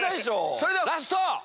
それではラスト！